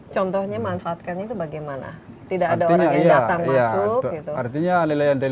contohnya manfaatkan itu bagaimana tidak ada orang yang datang masuk artinya nilai yang dari